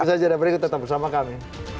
pesan cerita berikut tetap bersama kami